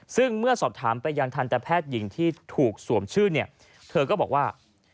ซึ่งเมื่อสอบถามไปยังทันตแพทย์หญิงที่ถูกสวมชื่อเนี่ยเธอก็บอกว่า